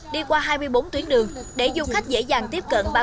đi qua hai mươi bốn tuyến đường để du khách dễ dàng tiếp cận